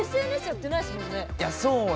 ＳＮＳやってないですもんね。